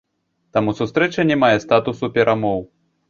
Таму сустрэча не мае статусу перамоў.